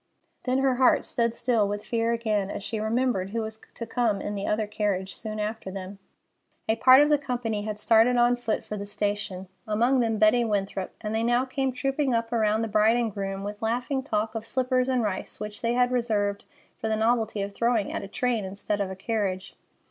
Then her heart stood still with fear again, as she remembered who was to come in the other carriage, soon after them. A part of the company had started on foot for the station, among them Betty Winthrop, and they now came trooping up around the bride and groom, with laughing talk of slippers and rice which they had reserved for the novelty of throwing at a train instead of a carriage.